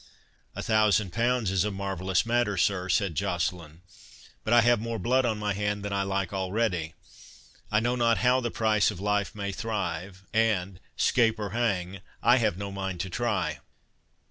"A thousand pounds is a marvellous matter, sir," said Joceline; "but I have more blood on my hand than I like already. I know not how the price of life may thrive—and, 'scape or hang, I have no mind to try."